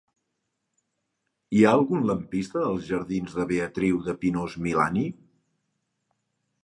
Hi ha algun lampista als jardins de Beatriu de Pinós-Milany?